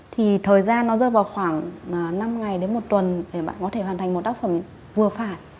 thì thời gian nó rơi vào khoảng năm ngày đến một tuần để bạn có thể hoàn thành một tác phẩm vừa phải